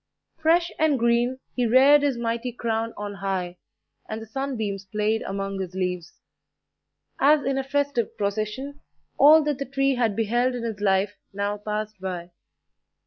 Fresh and green he reared his mighty crown on high, and the sunbeams played among his leaves. As in a festive procession, all that the tree had beheld in his life now passed by.